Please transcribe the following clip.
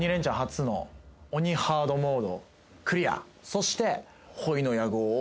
そして。